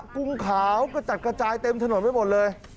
กุ้งขาวกระจัดกระจายเต็มถนนไปหมดเลย